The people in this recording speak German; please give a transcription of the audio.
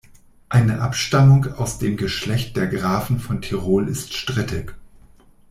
Eine Abstammung aus dem Geschlecht der Grafen von Tirol ist strittig.